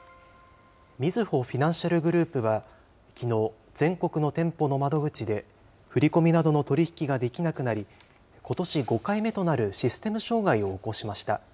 みずほフィナンシャルグループは、きのう、全国の店舗の窓口で振り込みなどの取り引きができなくなり、ことし５回目となるシステム障害を起こしました。